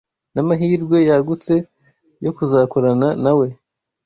n’amahirwe yagutse yo kuzakorana na we